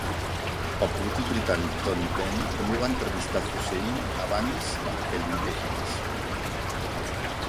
El polític britànic Tony Benn també va entrevistar Hussein abans aquell mateix mes.